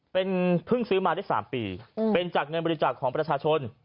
เป็นเพิ่งซื้อมาได้๓ปีเป็นจากเงินบริจาคของประชาชน